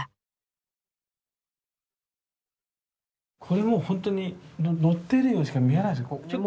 これもうほんとにのってるようにしか見えないですね。